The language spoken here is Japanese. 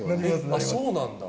あっそうなんだ。